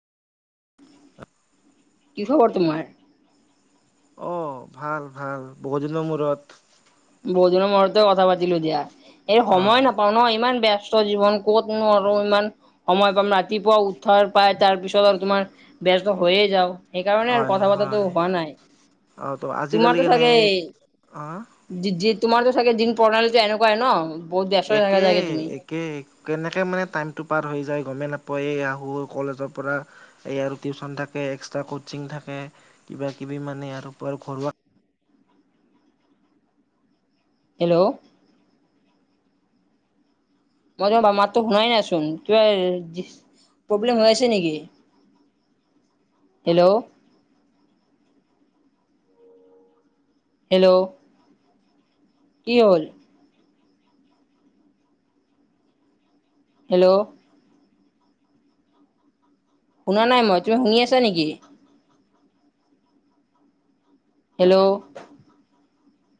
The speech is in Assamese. কি খবৰ তোমাৰ? অ ভাল ভাল বহুতদিনৰ মূৰত বহুদিনৰ মুৰতে কথা পাতিলো দিয়া এ সময় অ', নাপাওঁ ন ইমান বেয়া ব্যস্ত জীৱন ক'তনো আৰু ইমান সময় পাম ৰাতিপুৱা উঠাৰ পাই তাৰপিছত আৰু তোমাৰ ব্যস্ত হৈয়ে যাওঁ। সেইকাৰণে আৰু হয় কথা পাতাটো হয়। হোৱা নাই অ', ত' আজিকালি তোমাৰটো কেনে চাগে অ', দি দি তোমাৰটো চাগে দিন প্ৰণালীটো এনেকুৱাই ন বহুত ব্যস্ত থাকা একে চাগে তুমি। একে কেনেকে মানে টাইমটো পাৰ হৈ যায় গমে নাপ এয়া আহোঁ কলেজৰ পৰা এই আৰু টিউচন থাকে এক্সট্ৰা কৌচিং থাকে কিবা কিবি মানে ইয়াৰ উপৰত ঘৰুৱা [unintelligible] হেল্ল'। মই তোমাৰা মাতো শুনাই নাইচোন কিবা প্ৰব্লেম হৈ আছে নেকি? হেল্ল'। হেল্ল'। কি হল। হেল্ল'। শুনা নাই মই তুমি শুনি আছা নেকি? হেল্ল'।